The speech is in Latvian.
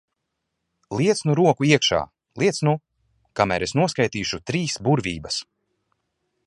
Liec nu roku iekšā, liec nu! Kamēr es noskaitīšu trīs burvības.